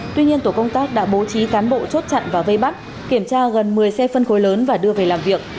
tuy nhiên tổ công tác đã bố trí cán bộ chốt chặn và vây bắt kiểm tra gần một mươi xe phân khối lớn và đưa về làm việc